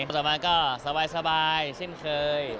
ต่อมาก็สบายเช่นเคย